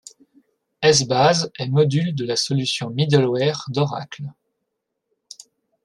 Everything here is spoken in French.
Essbase est module de la solution Middleware d'Oracle.